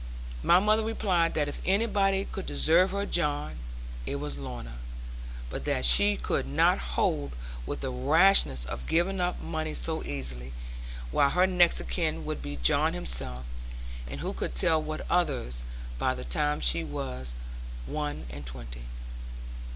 My mother replied that if anybody could deserve her John, it was Lorna; but that she could not hold with the rashness of giving up money so easily; while her next of kin would be John himself, and who could tell what others, by the time she was one and twenty?